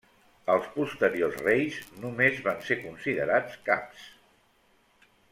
Els posteriors reis només van ser considerats caps.